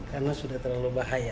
karena sudah terlalu bahaya